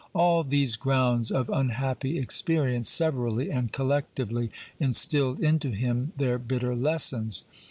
All these grounds of unhappy experience severally and collectively instilled into him their bitter lessons.